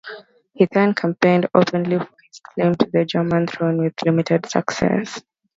He then campaigned openly for his claim to the German throne, with limited success.